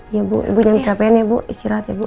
iya ibu jangan capek ya ibu istirahat ya ibu